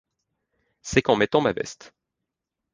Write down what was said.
c'est qu'en mettant ma veste.